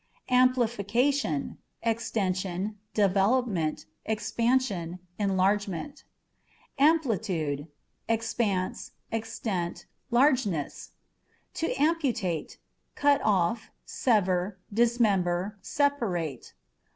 Amplificationâ€" extension, development, expansion, enlarge ment. Amplitude â€" expanse, extent, largeness. To Amputate â€" cut off, sever, dismember, separate.